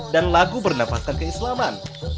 dan lagu bernafaskan keislaman